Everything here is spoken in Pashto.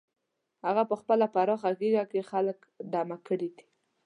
هغه په خپله پراخه غېږه کې خلک دمه کړي دي.